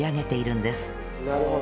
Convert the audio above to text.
なるほど。